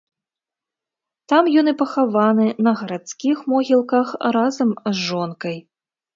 Там ён і пахаваны на гарадскіх могілках разам з жонкай.